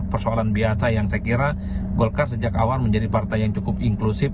persoalan biasa yang saya kira golkar sejak awal menjadi partai yang cukup inklusif